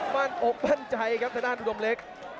นอกมั่นใจครับทางด้านอุดมเล็ก